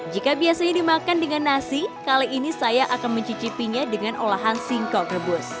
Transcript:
jika biasanya dimakan dengan nasi kali ini saya akan mencicipinya dengan olahan singkong rebus